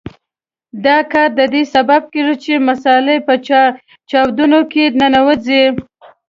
دا کار د دې سبب کیږي چې مساله په چاودونو کې ننوځي.